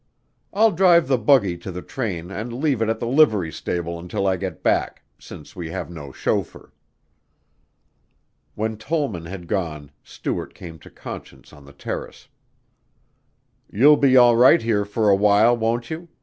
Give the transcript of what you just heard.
I'll drive the buggy to the train and leave it at the livery stable until I get back since we have no chauffeur." When Tollman had gone Stuart came to Conscience on the terrace. "You'll be all right here for a while, won't you?"